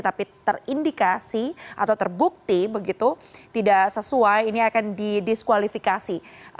tapi terindikasi atau terbukti begitu tidak sesuai ini akan didiskualifikasi